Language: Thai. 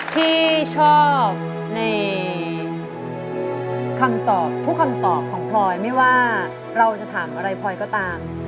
ที่ชอบในคำตอบทุกคำตอบของพลอยไม่ว่าเราจะถามอะไรพลอยก็ตาม